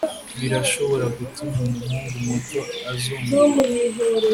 birashobora gutuma umuhungu muto azunguruka